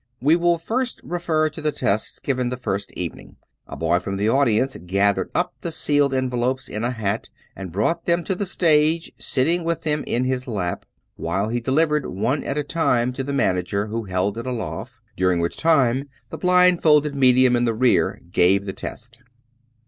We will first refer to the tests given the first evening. A boy from the audience gathered up the sealed envelopes in a hat, and brought them to the stage, sitting with them in his lap ; while he delivered one at a time to the manager, who held it aloft, during which time the blindfolded me dium in the rear gave the test.